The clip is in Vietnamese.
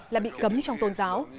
là bị cấm trong tôn giáo